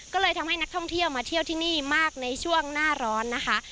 ก็เลยทำให้นักท่องเที่ยวมาเที่ยวที่นี่มากในช่วงหน้าร้อนนะคะ